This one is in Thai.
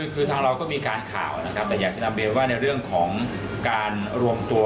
คือทางเราก็มีการข่าวนะครับแต่อยากจะนำเรียนว่าในเรื่องของการรวมตัว